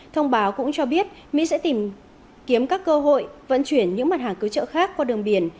thông báo cũng cho biết mỹ sẽ tìm kiếm các cơ hội vận chuyển những mặt hàng cứu trợ khác qua đường biển